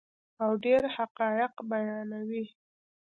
او ډیر حقایق بیانوي.